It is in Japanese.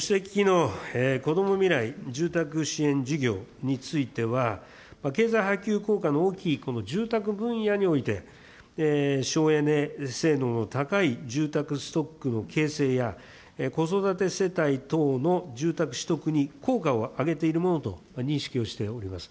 ご指摘の子ども未来住宅支援事業については、経済波及効果の大きいこの住宅分野において、省エネ性能の高い住宅ストックの形成や、子育て世帯等の住宅取得に効果を上げているものと認識をしております。